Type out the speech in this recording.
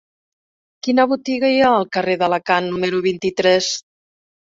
Quina botiga hi ha al carrer d'Alacant número vint-i-tres?